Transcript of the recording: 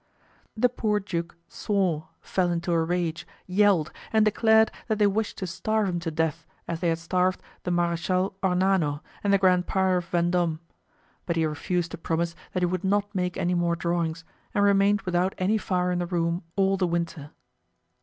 The poor duke swore, fell into a rage, yelled, and declared that they wished to starve him to death as they had starved the Marechal Ornano and the Grand Prior of Vendome; but he refused to promise that he would not make any more drawings and remained without any fire in the room all the winter.